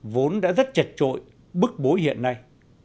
vốn đã rất chật trội bức bối hiện nay